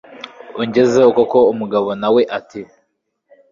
ungezeho koko umugabo nawe ati